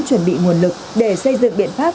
chuẩn bị nguồn lực để xây dựng biện pháp